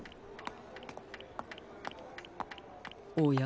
おや？